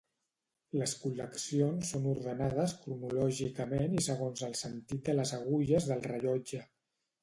Les col·leccions són ordenades cronològicament i segons el sentit de les agulles del rellotge.